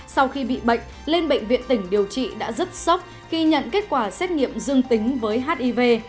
sau khi bị bệnh lên bệnh viện tỉnh điều trị đã rất sốc khi nhận kết quả xét nghiệm dương tính với hiv